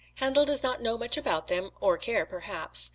Handel does not know much about them, or care, perhaps.